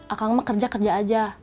akang emak kerja kerja aja